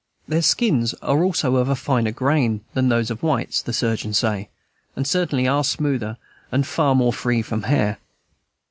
Their skins are also of finer grain than those of whites, the surgeons say, and certainly are smoother and far more free from hair.